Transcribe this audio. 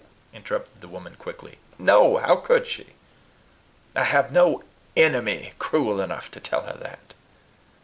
interrupted the woman quickly: "no! How could she? I have no enemy cruel enough to tell her that."